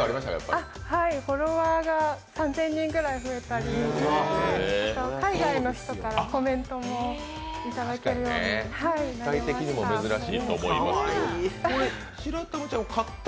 フォロワーが３０００人ぐらい増えたり、海外の人からコメントもいただけるようになりました。